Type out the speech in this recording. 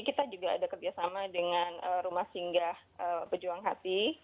kita juga ada kerjasama dengan rumah singgah pejuang hati